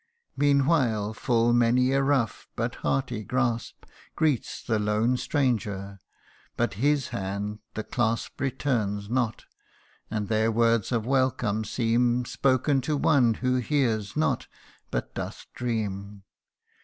Meanwhile full many a rough but hearty grasp Greets the lone stranger ; but his hand the clasp Returns not and their words of welcome seem Spoken to one who hears not, but doth dream.